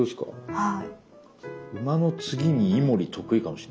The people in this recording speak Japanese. はい。